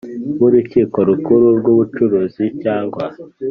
w Urukiko Rukuru rw Ubucuruzi cyangwa